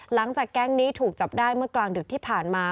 หลังจากแก๊งนี้ถูกจับได้เมื่อกลางดึกที่ผ่านมา